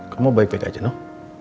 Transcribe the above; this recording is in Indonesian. kamu baik baik aja noh